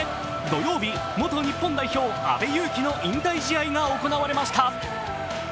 土曜日、元日本代表・阿部勇樹の引退試合が行われました。